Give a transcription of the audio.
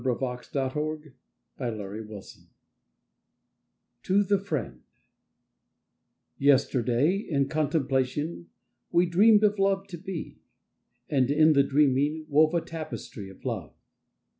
DAY DREAMS DAY DREAMS (To The Friend) Yesterday — in contemplation We dreamed of love to be, And in the dreaming, Wove a tapestry of Love.